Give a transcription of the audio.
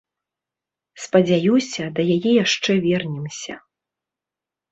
Спадзяюся, да яе яшчэ вернемся.